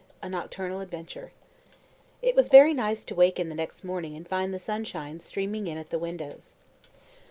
A NOCTURNAL ADVENTURE. It was very nice to waken the next morning and find the sunshine streaming in at the windows.